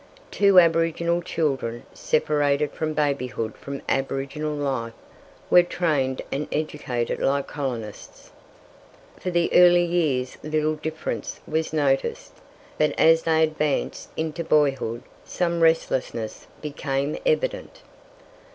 Two aboriginal children, separated from babyhood from aboriginal life, were trained and educated like colonists. For the earlier years little difference was noticed, but as they advanced into boyhood some restlessness became evident.